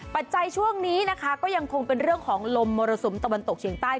ปัจจัยช่วงนี้นะคะก็ยังคงเป็นเรื่องของลมมรสุมตะวันตกเฉียงใต้